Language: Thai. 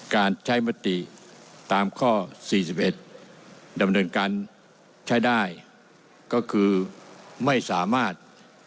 การใช้มติตามข้อ๔๑ดำเนินการใช้ได้ก็คือไม่สามารถ